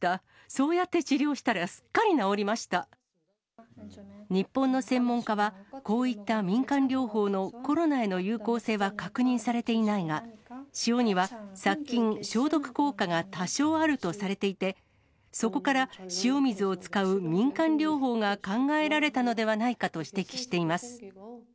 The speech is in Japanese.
そうやって治療したら、すっかり日本の専門家は、こういった民間療法のコロナへの有効性は確認されていないが、塩には殺菌・消毒効果が多少あるとされていて、そこから塩水を使う民間療法が考えられたのではないかと指摘しています。